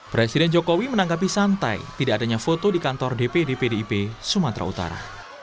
presiden jokowi menanggapi santai tidak adanya foto di kantor dpd pdip sumatera utara